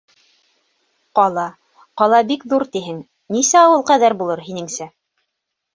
— Ҡала, ҡала бик ҙур тиһең, нисә ауыл ҡәҙәр булыр, һинеңсә?